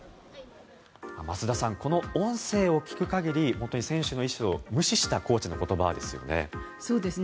増田さん、この音声を聞く限り本当に選手の意思を無視したコーチの言葉ですよね。